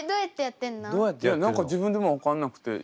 いや何か自分でも分かんなくて。